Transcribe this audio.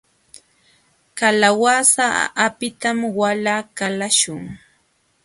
Kalawasa apitam wala qalaśhun.